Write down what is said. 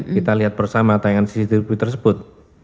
kita lihat bersama tayangan cctv tersebut